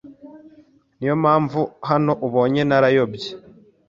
Niyo mpamvu hano ubonye narayobye